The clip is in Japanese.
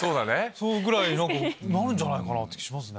そのぐらいになるんじゃないかなって気しますね。